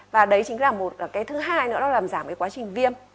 và đấy chính là một cái thứ hai nữa nó làm giảm cái quá trình viêm